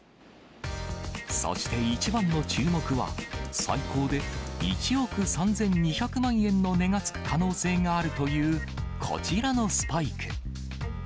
そして一番の注目は、最高で１億３２００万円の値がつく可能性があるという、こちらのスパイク。